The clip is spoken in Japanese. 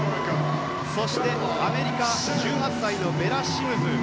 そしてアメリカ、１８歳のベラ・シムズ。